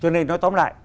cho nên nói tóm lại